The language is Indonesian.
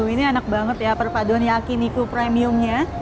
ini enak banget ya perpaduan yakiniku premiumnya